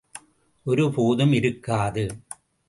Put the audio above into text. ஒரு போதும் இருக்காது.